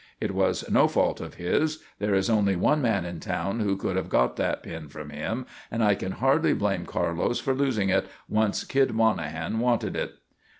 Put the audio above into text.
It was no fault of his. There is only one man in town who could have got that pin from him, and I can hardly blame Carlos for losing it, once Kid Monahan wanted it."